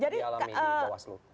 di alami bawaslu